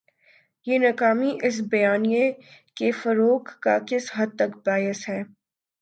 یہ ناکامی اس بیانیے کے فروغ کا کس حد تک باعث ہے؟